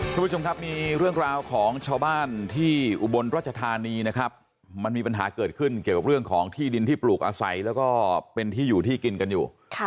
คุณผู้ชมครับมีเรื่องราวของชาวบ้านที่อุบลรัชธานีนะครับมันมีปัญหาเกิดขึ้นเกี่ยวกับเรื่องของที่ดินที่ปลูกอาศัยแล้วก็เป็นที่อยู่ที่กินกันอยู่